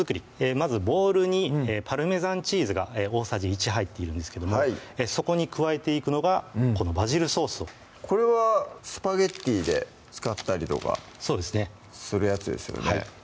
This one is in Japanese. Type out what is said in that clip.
まずボウルにパルメザンチーズが大さじ１入っているんですけどもそこに加えていくのがこのバジルソースをこれはスパゲッティで使ったりとかそうですねするやつですよね